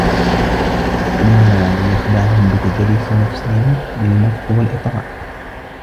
وَإِمَّا لِيَخْدَعَهُمْ بِتَدْلِيسِ نَفْسِهِ بِالْمَدْحِ وَالْإِطْرَاءِ